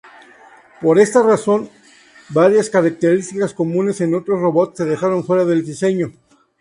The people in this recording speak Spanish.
Por esta razón, varias características comunes en otros robots se dejaron fuera del diseño.